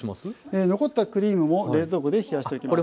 残ったクリームも冷蔵庫で冷やしておきます。